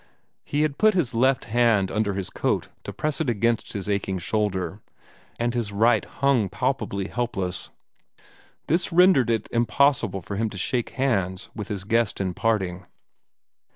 He had put his left hand under his coat to press it against his aching shoulder, and his right hung palpably helpless. This rendered it impossible for him to shake hands with his guest in parting.